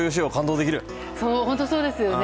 本当そうですよね。